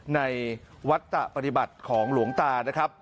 ในวัตตปฏิบัติของหลวงตานะครับ